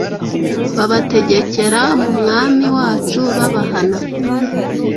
babategekera mu Mwami wacu, babahana.